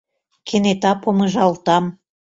Кенета помыжалтам.